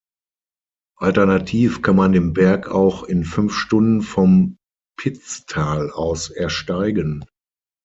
Alternativ kann man den Berg auch in fünf Stunden vom Pitztal aus ersteigen.